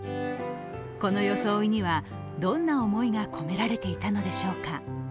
この装いにはどんな思いが込められていたのでしょうか。